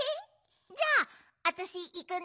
じゃああたしいくね！